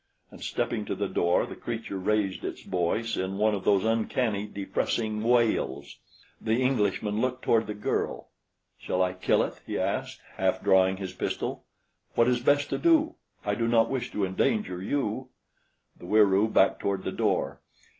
And stepping to the door the creature raised its voice in one of those uncanny, depressing wails. The Englishman looked toward the girl. "Shall I kill it?" he asked, half drawing his pistol. "What is best to do? I do not wish to endanger you." The Wieroo backed toward the door.